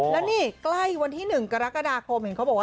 แล้วนี่ใกล้วันที่๑กรกฎาคมเห็นเขาบอกว่า